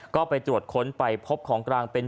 ก็ไปตรวจค้นไปพบของกลางเป็น